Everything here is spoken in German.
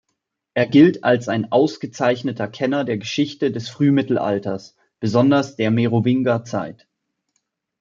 Er gilt als ein ausgezeichneter Kenner der Geschichte des Frühmittelalters, besonders der Merowingerzeit.